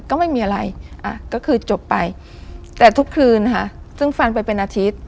ก็ไม่มีอะไรอ่ะก็คือจบไปแต่ทุกคืนค่ะซึ่งฟันไปเป็นอาทิตย์